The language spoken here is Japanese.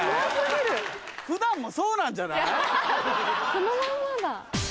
そのまんまだ。